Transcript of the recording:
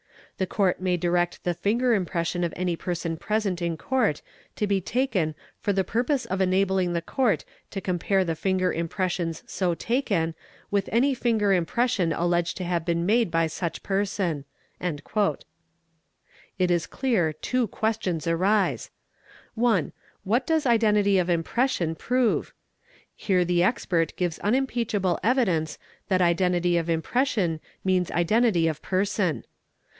The Court may direct the finger impression of any person present in Court to be taken for the purpose of enabling the Court to compare the finger impressions so taken with any finger impression alleged to have been made by such person. " It is clear two questions arise ; (1) What does identity of impression prove? Here the expert gives unimpeachable evidence that identity of impression means identity of person.